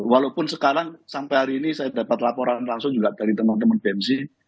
walaupun sekarang sampai hari ini saya dapat laporan langsung juga dari teman teman bensi